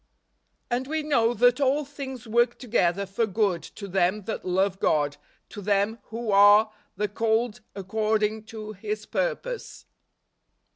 "And ice know that all things work together for good to them that love God, to them who are the called according to hispurpose."